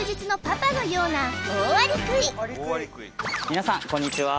みなさんこんにちは